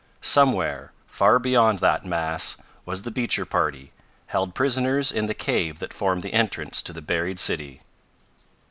Somewhere, far beyond that mass, was the Beecher party, held prisoners in the cave that formed the entrance to the buried city.